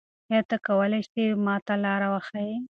آیا ته کولای سې ما ته لاره وښیې؟